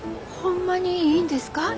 ホンマにいいんですか？